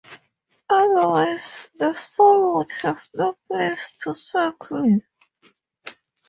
Otherwise, the soul would have no place to settle.